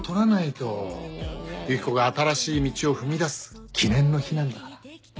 ユキコが新しい道を踏み出す記念の日なんだから。